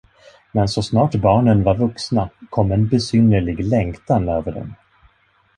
Men så snart barnen var vuxna, kom en besynnerlig längtan över dem.